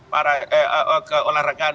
para eh keolahragaan